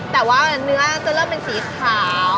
แต่ว่าเนื้อจะเริ่มเป็นสีขาว